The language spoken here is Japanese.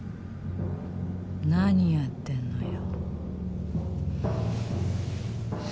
何やってんのよ。